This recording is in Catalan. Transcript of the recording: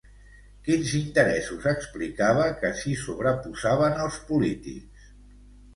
Quins interessos explicava que s'hi sobreposaven als polítics?